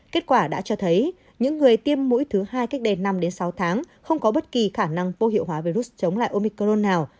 kết quả đã cho thấy những người tiêm mũi thứ hai cách đây năm sáu tháng không có bất kỳ khả năng vô hiệu hóa virus chống lại omicron nào